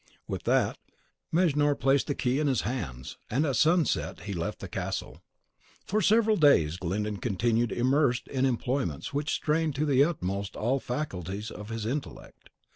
With that, Mejnour placed the key in his hands; and at sunset he left the castle. For several days Glyndon continued immersed in employments which strained to the utmost all the faculties of his intellect.